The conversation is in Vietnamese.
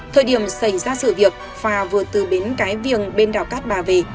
thời điểm xảy ra sự việc phà vừa từ bến cái viềng bên đảo cát bà về